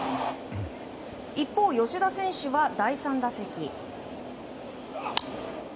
一方、吉田選手は第３打席。